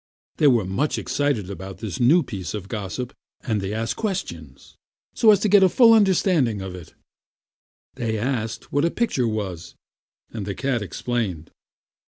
They were much excited about this new piece of gossip, and they asked questions, so as to get at a full understanding of it. They asked what a picture was, and the cat explained.